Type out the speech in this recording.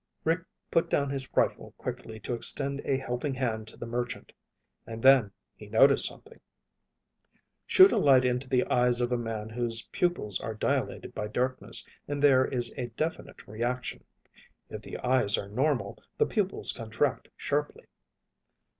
Rick put down his rifle quickly to extend a helping hand to the merchant. And then he noticed something. Shoot a light into the eyes of a man whose pupils are dilated by darkness and there is a definite reaction. If the eyes are normal, the pupils contract sharply.